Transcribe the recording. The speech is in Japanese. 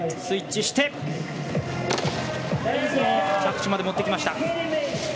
スイッチして着地までもってきました。